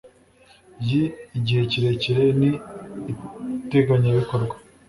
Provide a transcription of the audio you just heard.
y igihe kirekire n iteganyabikorwa